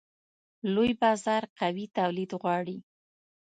لوی بازار قوي تولید غواړي.